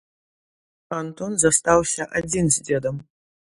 Антон застаўся адзін з дзедам.